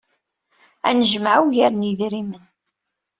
Ad nejmeɛ ugar n yedrimen.